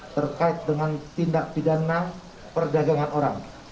terkait dengan tindak pidana perdagangan orang